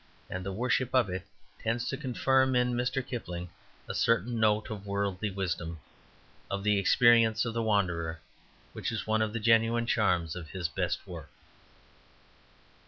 And the worship of it tends to confirm in Mr. Kipling a certain note of worldly wisdom, of the experience of the wanderer, which is one of the genuine charms of his best work.